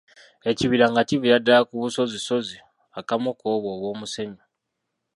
Ekibira nga kiviira ddala ku busozisozi akamu ku obwo obw'omusenyu.